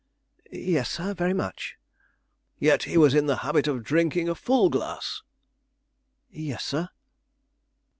"Yes, sir, very much." "Yet he was in the habit of drinking a full glass?" "Yes, sir."